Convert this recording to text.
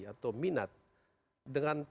atau minat dengan